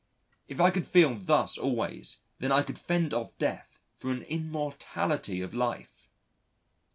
If I could feel thus always, then I could fend off Death for an immortality of life.